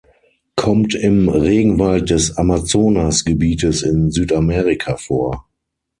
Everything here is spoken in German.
Kommt im Regenwald des Amazonas-Gebietes in Südamerika vor.